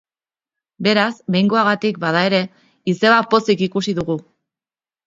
Beraz, behingoagatik bada ere, izeba pozik ikusiko dugu!